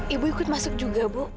ibu ikut masuk juga bu